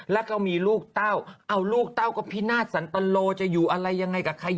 แล้วก็มีลูกเต้าเอาลูกเต้าก็พินาศสันตโลจะอยู่อะไรยังไงกับใคร